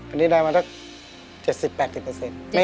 อันนี้ได้มาตั้งแต่๗๐๘๐เปอร์เซ็นต์